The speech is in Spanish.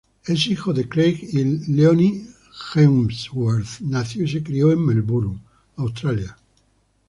Es hijo de Craig y Leonie Hemsworth, nació y se crio en Melbourne, Australia.